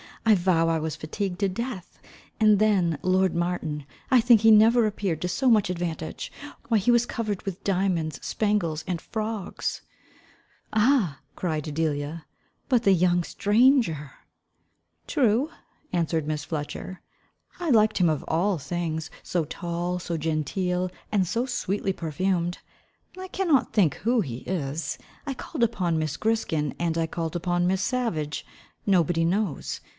I vow I was fatigued to death: and then, lord Martin, I think he never appeared to so much advantage. Why he was quite covered with diamonds, spangles, and frogs." "Ah!" cried Delia, "but the young stranger." "True," answered Miss Fletcher, "I liked him of all things; so tall, so genteel, and so sweetly perfumed. I cannot think who he is. I called upon Miss Griskin, and I called upon Miss Savage, nobody knows.